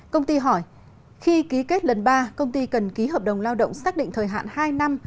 công ty hỏi khi ký kết lần ba công ty cần ký hợp đồng lao động xác định thời hạn hai năm